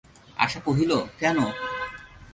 আশা কহিল, কেন।